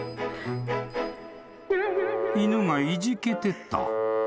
［犬がいじけてた］